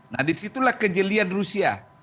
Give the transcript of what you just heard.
nah disitulah kejelian rusia